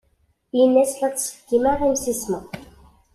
Ini-as la ttṣeggimeɣ imsismeḍ.